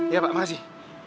iya pak makasih